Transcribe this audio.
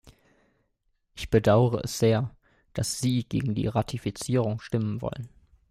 Ich bedaure es sehr, dass Sie gegen die Ratifizierung stimmen wollen.